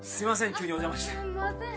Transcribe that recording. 急にお邪魔してすんません